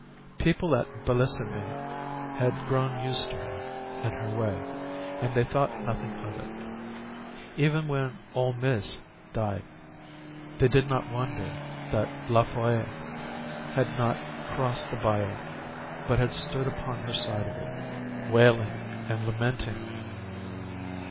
People at Bellissime had grown used to her and her way, and they thought nothing of it. Even when "Old Mis'" died, they did not wonder that La Folle had not crossed the bayou, but had stood upon her side of it, wailing and lamenting.